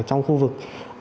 trong khu vực